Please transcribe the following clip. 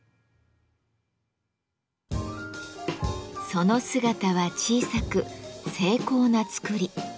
その姿は小さく精巧な作り。